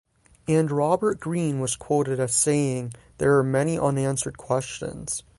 And Robert Green was quoted as saying There are many unanswered questions.